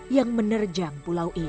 yang menerjang pulau ini